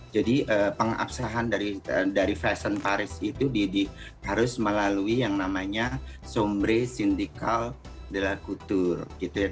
jadi pengabsahan dari fashion paris itu harus melalui yang namanya sombre syndical de la couture